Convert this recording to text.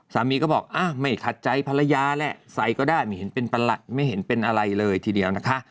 สามีก็บอกไม่ขัดใจภรรยาแหละใส่ก็ได้ไม่เห็นเป็นไม่เห็นเป็นอะไรเลยทีเดียวนะคะ